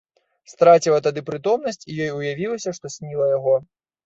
Страціла тады прытомнасць, і ёй уявілася, што сніла яго.